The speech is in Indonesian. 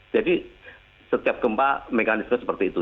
jadi setiap gempa mekanisme seperti itu